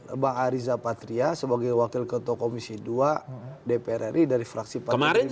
mbak ariza patria sebagai wakil ketua komisi dua dpr ri dari fraksi partai gerindra